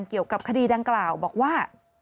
เกี่ยวกับคดีดังกล่าวบอกว่า